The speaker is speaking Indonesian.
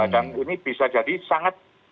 dan ini bisa jadi sangat